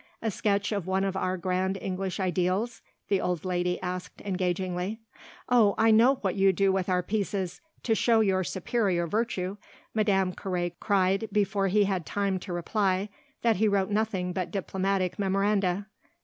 A sketch of one of our grand English ideals?" the old lady asked engagingly. "Oh I know what you do with our pieces to show your superior virtue!" Madame Carré cried before he had time to reply that he wrote nothing but diplomatic memoranda.